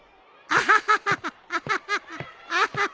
アハハアーハハ。